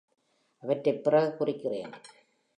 அவற்றைப் பிறகு குறிக்கிறேன்.